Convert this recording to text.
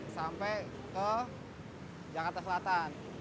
sampai ke jakarta selatan